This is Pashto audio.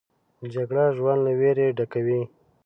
جګړه ژوند له ویرې ډکوي